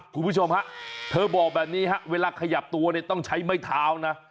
คุณผู้ชมฮะเธอบอกแบบนี้ฮะเวลาขยับตัวเนี่ยต้องใช้ไม้เท้านะ